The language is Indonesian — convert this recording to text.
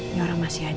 ini orang masih aja